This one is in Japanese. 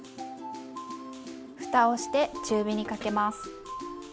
ふたをして中火にかけます。